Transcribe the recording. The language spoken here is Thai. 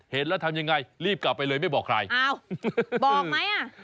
เห็นแล้วทำยังไงรีบกลับไปเลยไม่บอกใครอ้าวบอกไหมอ่ะ